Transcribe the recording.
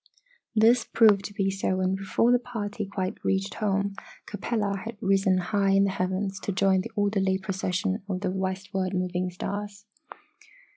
This proved to be so and before the party quite reached home Capella had risen high in the heavens to join the orderly procession of westward moving stars.